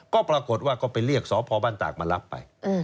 ก็ปรากฏว่าก็ไปเรียกสพบ้านตากมารับไป